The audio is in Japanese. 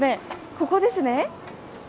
ここですね。